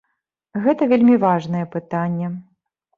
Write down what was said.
Гэта вельмі важнае пытанне.